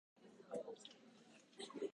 いらっしゃいませ、三点のお買い上げですね。